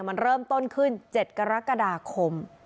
มันเริ่มต้นขึ้น๗กรกฎาคม